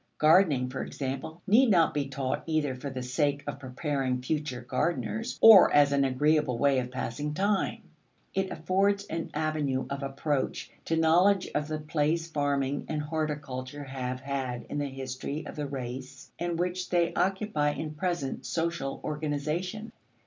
Gardening, for example, need not be taught either for the sake of preparing future gardeners, or as an agreeable way of passing time. It affords an avenue of approach to knowledge of the place farming and horticulture have had in the history of the race and which they occupy in present social organization.